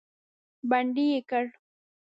بندي یې کړ.